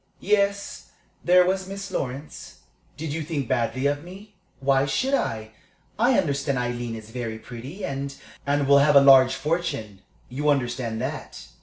"Yes, there was Miss Lawrence." "Did you think badly of me?" "Why should I? I understand Aileen is very pretty, and " "And will have a large fortune. You understand that?"